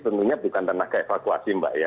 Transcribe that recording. tentunya bukan tenaga evakuasi mbak ya